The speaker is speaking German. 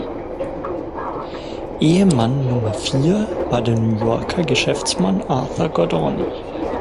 Ehemann Nummer vier war der New Yorker Geschäftsmann Arthur Gordoni.